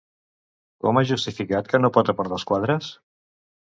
Com ha justificat que no pot apartar els quadres?